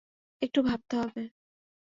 একটু ভাবতে হবে।